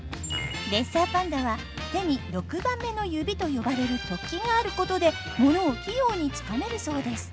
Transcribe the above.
レッサーパンダは手に６番目の指と呼ばれるとっきがあることで物を器用につかめるそうです。